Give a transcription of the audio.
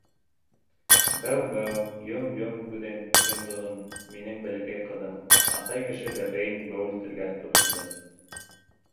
— Бәү, бәү, йом-йом күҙең, йондоҙом, минең бәләкәй ҡыҙым... -атай кеше «бәпәйен» бәүелтергә тотондо.